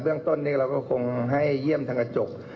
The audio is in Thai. เรื่องต้นนี้เราก็คงให้เยี่ยมทางกระจก